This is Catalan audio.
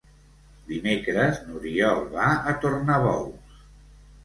Dimecres n'Oriol va a Tornabous.